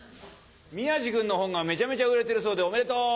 宮治君の本がめちゃめちゃ売れてるそうでおめでとう。